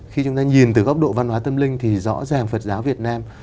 khi chúng ta nhìn từ góc độ văn hóa tâm linh thì rõ ràng phật giáo việt nam